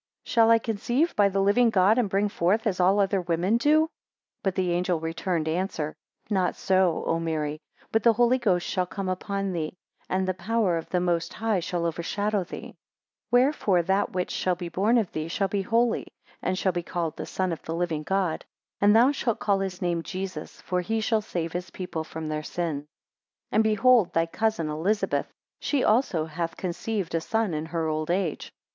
shall I conceive by the living God and bring forth as all other women do? 13 But the angel returned answer, Not so, O Mary, but the Holy Ghost shall come upon thee, and the power of the Most High shall overshadow thee; 14 Wherefore that which shall be born of thee shall be holy, and shall be called the Son of the Living God, and thou shalt call his name Jesus; for he shall save his people from their sins. 15 And behold thy cousin Elizabeth, she also hath conceived a son in her old age.